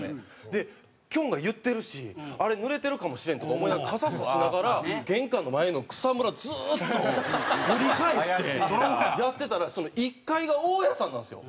できょんが言ってるしあれ濡れてるかもしれんとか思いながら傘差しながら玄関の前の草むらずっと掘り返してやってたらその１階が大家さんなんですよ。